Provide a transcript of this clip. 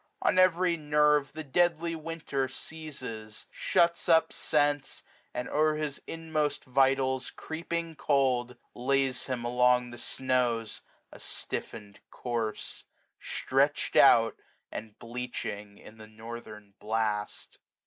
On every nerve The deadly winter seizes; shuts up sense; And, o'er his inmost vitals creeping cold. Lays him along the snows, a stiffened corse; 320 Stretched out, and bleaching in the northern blast.